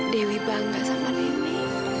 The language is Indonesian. dewi bangga sama nini